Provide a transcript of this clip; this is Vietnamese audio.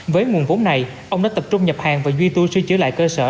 với nguồn vốn này ông đã tập trung nhập hàng và duy tu sư trở lại cơ sở